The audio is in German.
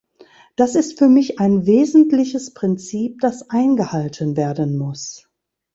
Das ist für mich ein wesentliches Prinzip, das eingehalten werden muss.